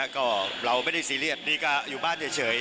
ก็เราไม่ได้ซีเรียสนี่ก็อยู่บ้านเฉย